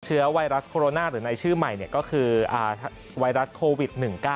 ไวรัสโคโรนาหรือในชื่อใหม่ก็คือไวรัสโควิด๑๙